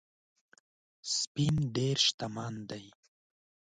سپین ډېر شتمن دی